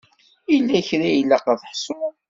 Yella kra ilaq ad t-ḥsuɣ?